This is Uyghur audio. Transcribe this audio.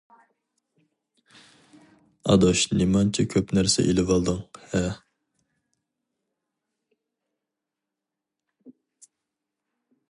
-ئاداش نېمانچە كۆپ نەرسە ئېلىۋالدىڭ ھە؟ !